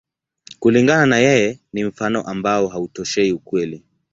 Kulingana na yeye, ni mfano ambao hautoshei ukweli.